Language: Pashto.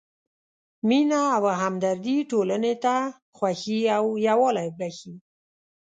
مینه او همدردي ټولنې ته خوښي او یووالی بښي.